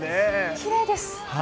きれいです。